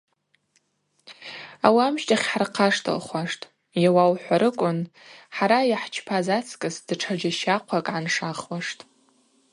Ауи амщтахь хӏырхъаштылхуаштӏ, йауа ухӏварыквын хӏара йхӏчпаз ацкӏыс датша джьащахъвакӏ гӏаншахуаштӏ.